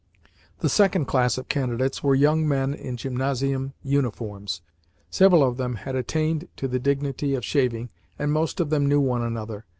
The second class of candidates were young men in gymnasium uniforms. Several of them had attained to the dignity of shaving, and most of them knew one another.